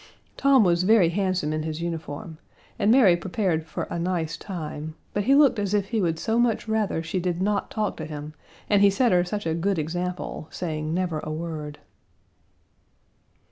Tom was very handsome in his uniform, and Mary prepared for a nice time, but he looked as if he would so much rather she did not talk to him, and he set her such a good example, saying never a word.